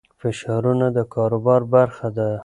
فشارونه د کاروبار برخه ده.